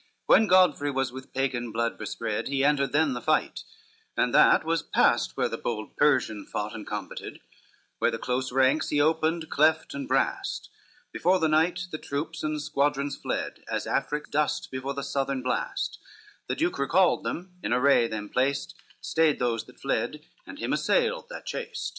LXVII When Godfrey was with Pagan blood bespread, He entered then the fight and that was past Where the bold Persian fought and combated, Where the close ranks he opened, cleft and brast; Before the knight the troops and squadrons fled, As Afric dust before the southern blast; The Duke recalled them, in array them placed, Stayed those that fled, and him assailed that chased.